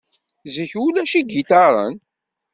Zik ulac igiṭaren.